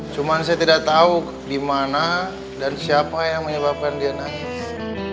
cuma saya tidak tahu di mana dan siapa yang menyebabkan dia nangis